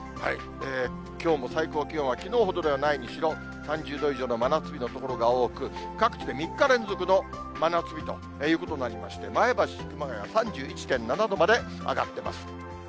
きょうも最高気温はきのうほどではないにしろ、３０度以上の真夏日の所が多く、各地で３日連続の真夏日ということになりまして、前橋、熊谷３１．７度まで上がってます。